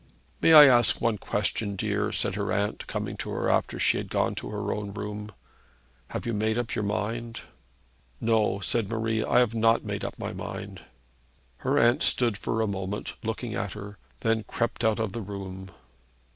'May I ask one question, dear?' said her aunt, coming to her after she had gone to her own room. 'Have you made up your mind?' 'No,' said Marie; 'I have not made up my mind.' Her aunt stood for a moment looking at her, and then crept out of the room.